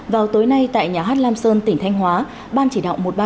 vào tối nay tại nhà hát lam sơn tỉnh thanh hóa ban chỉ đạo một trăm ba mươi ba